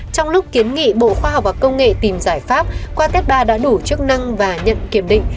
trong lúc kiến nghị bộ khoa học và công nghệ tìm giải pháp qua tét ba đã đủ chức năng và nhận kiểm định